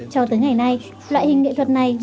cho tới ngày nay loại hình nghệ thuật này vẫn rất đẹp